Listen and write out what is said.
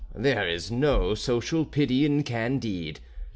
There is no social pity in "Candide."